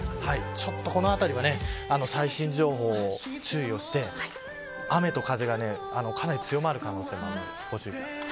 このあたりは最新情報に注意をして雨と風がかなり強まる可能性があるのでご注意ください。